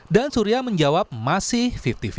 surya menjawab masih lima puluh lima